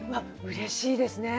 うれしいですね。